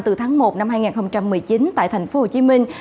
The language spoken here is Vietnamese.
từ tháng một năm hai nghìn một mươi chín tại thành phố hồ chí minh